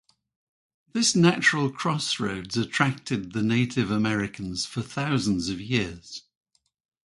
This natural crossroads attracted the Native Americans for thousands of years.